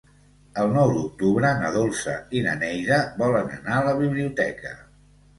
El nou d'octubre na Dolça i na Neida volen anar a la biblioteca.